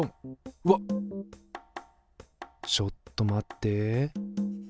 うわっちょっと待って。